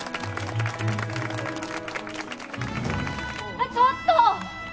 あっちょっと！